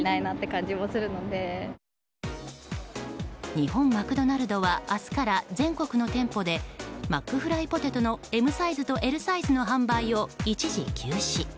日本マクドナルドでは明日から全国の店舗でマックフライポテトのＭサイズとＬサイズの販売を一時休止。